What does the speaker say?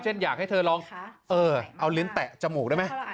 อยากให้เธอลองเอาลิ้นแตะจมูกได้ไหม